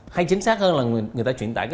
hay chính xác hơn là người ta truyền đải